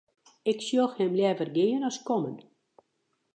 Ik sjoch him leaver gean as kommen.